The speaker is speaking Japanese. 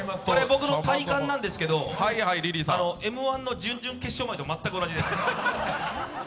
僕の体感なんですけど「Ｍ−１」の準々決勝前と全く同じです。